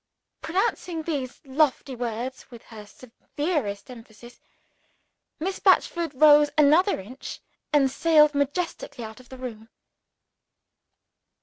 Pronouncing these lofty words with her severest emphasis, Miss Batchford rose another inch, and sailed majestically out of the room.